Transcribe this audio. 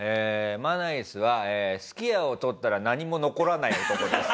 マナリスはすき家を取ったら何も残らない男です。